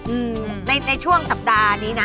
อืมในช่วงสัปดาห์นี้นะ